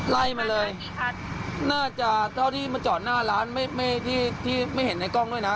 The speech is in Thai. ไล่มาเลยน่าจะเท่าที่มาจอดหน้าร้านไม่ที่ไม่เห็นในกล้องด้วยนะ